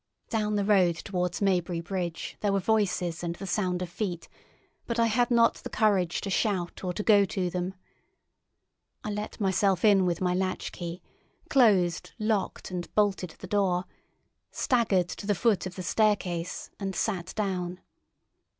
Down the road towards Maybury Bridge there were voices and the sound of feet, but I had not the courage to shout or to go to them. I let myself in with my latchkey, closed, locked and bolted the door, staggered to the foot of the staircase, and sat down.